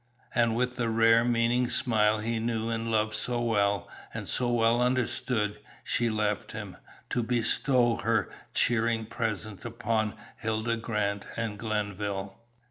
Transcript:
And with the rare meaning smile he knew and loved so well, and so well understood, she left him, to bestow her cheering presence upon Hilda Grant and Glenville.